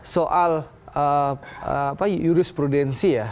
soal jurisprudensi ya